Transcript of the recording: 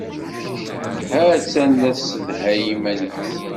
Ha-tt-an la tessedhay iman-is.